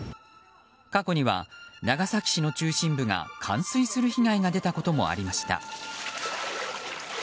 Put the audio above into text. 過去には長崎市の中心部が冠水する被害が出たこともありました。